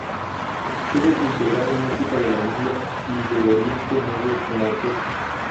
Tuvo que integrar música de la India y de Oriente Medio con la orquesta.